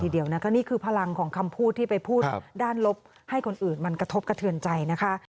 เดียวนะคะนี่คือพลังของคำพูดที่ไปพูดด้านลบให้คนอื่นมันกระทบกระเทือนใจนะคะ